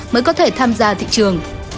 mới có thể tham gia thị trường